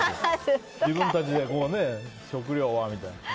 自分たちで食糧をみたいな。